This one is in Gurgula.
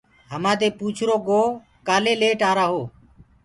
همآ دي پوڇرو گو ڪآلي ليٽ آرآ هو۔